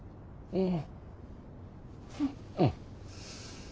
うん。